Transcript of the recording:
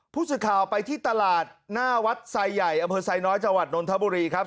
ผู้สื่อข่าวไปที่ตลาดหน้าวัดไซด์ใหญ่อไซน้อยจนนทบุรีครับ